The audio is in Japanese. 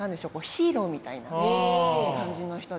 ヒーローみたいな感じの人で。